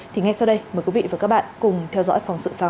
thì ngay sau đây mời quý vị và các bạn cùng theo dõi phóng sự sau